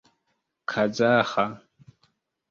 kazaĥa